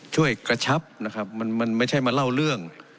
ช่วยกระชับนะครับมันไม่ใช่มาเล่าเรื่อง